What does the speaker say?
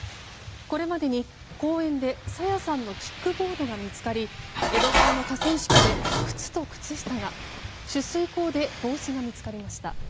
これまでに、公園で朝芽さんのキックボードが見つかり江戸川の河川敷で靴と靴下が取水口で帽子が見つかりました。